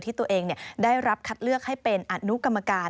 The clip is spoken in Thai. ที่ตัวเองได้รับคัดเลือกให้เป็นอนุกรรมการ